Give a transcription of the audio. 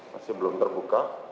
masih belum terbuka